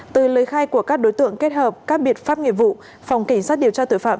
từ lời khai của các đối tượng kết hợp các biện pháp nghiệp vụ phòng cảnh sát điều tra tội phạm